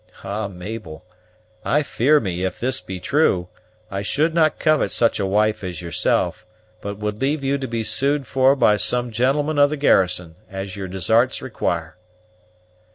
"Ah, Mabel, I fear me, if this be true, I should not covet such a wife as yourself; but would leave you to be sued for by some gentleman of the garrison, as your desarts require."